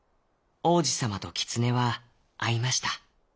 王子さまとキツネはあいました。